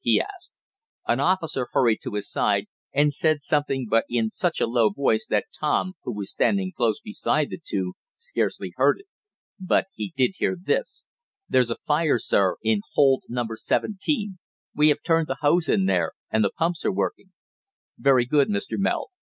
he asked. An officer hurried to his side, and said something but in such a low voice that Tom, who was standing close beside the two, scarcely heard it. But he did hear this: "There's a fire, sir, in hold number seventeen. We have turned the hose in there, and the pumps are working." "Very good, Mr. Meld.